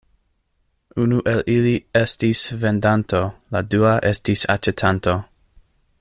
Unu el ili estis vendanto, la dua estis aĉetanto.